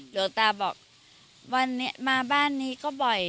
หลวงตาบอกวันนี้มาบ้านนี้ก็บ่อย